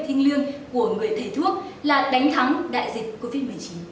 thiên lương của người thầy thuốc là đánh thắng đại dịch covid một mươi chín